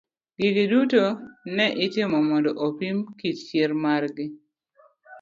Gigi duto ne itimo mondo opim go kit chir mar gi.